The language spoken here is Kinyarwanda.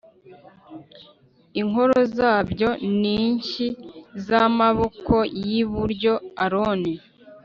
Inkoro zabyo n inshyi z amaboko y iburyo Aroni